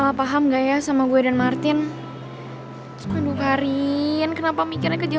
lo nggak bisa main hajar gitu aja